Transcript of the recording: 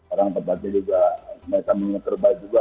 orang orang juga mereka mengingat terbaik juga